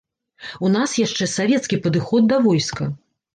У нас яшчэ савецкі падыход да войска.